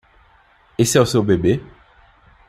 Esse é o seu bebê?